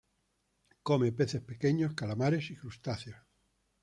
Come peces pequeños, calamares y crustáceos.